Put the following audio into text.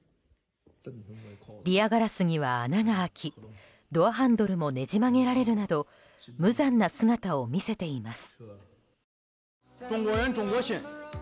リヤガラスには穴が開きドアハンドルもねじ曲げられるなど無残な姿を見せています。